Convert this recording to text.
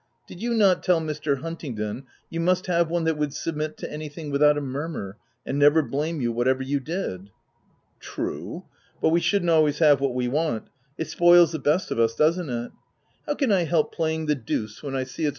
Did you not tell Mr. Huntingdon you must have one that would submit to anything with out a murmur, and never blame you, whatever you did ?"" a True, but we shouldn't always have what we want : it spoils the best of us, doesn't it? How can I help playing the deuce when I see OF WILDFELL HALL.